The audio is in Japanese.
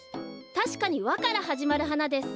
たしかに「ワ」からはじまるはなです。